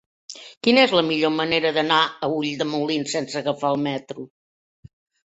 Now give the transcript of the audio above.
Quina és la millor manera d'anar a Ulldemolins sense agafar el metro?